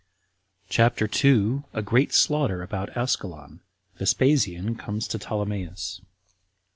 CHAPTER 2. A Great Slaughter About Ascalon. Vespasian Comes To Ptolemais.